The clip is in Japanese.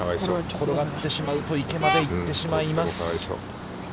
転がってしまうと、池まで行ってしまいます。